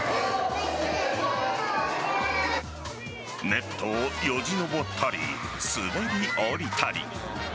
ネットをよじ登ったり滑り降りたり。